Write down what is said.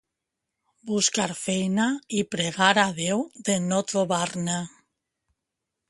Buscar feina i pregar a Déu de no trobar-ne